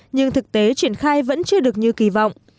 nhưng thực tế triển khai vẫn chưa được như kỳ vọng